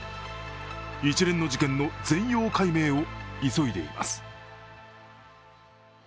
一連の事件の全容解明を急いでいます。